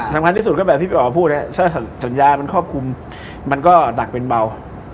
สำคัญที่สุดก็แบบที่พี่อ๋อพูดถ้าสัญญามันครอบคลุมมันก็หนักเป็นเบา